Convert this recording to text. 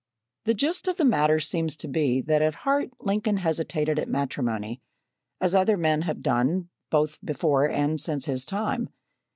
The gist of the matter seems to be that at heart Lincoln hesitated at matrimony, as other men have done, both before and since his time.